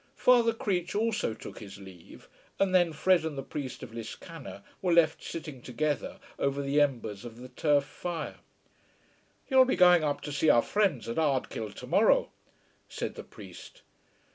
Father Creech also took his leave, and then Fred and the priest of Liscannor were left sitting together over the embers of the turf fire. "You'll be going up to see our friends at Ardkill to morrow," said the priest.